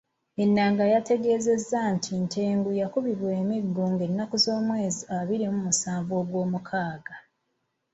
Enanga yategeezezza nti Tegu yakubibwa emiggo ng'ennaku z'omwezi abiri mu musanvu Ogwomukaaga.